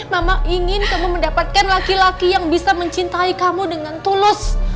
mama ingin kamu mendapatkan laki laki yang bisa mencintai kamu dengan tulus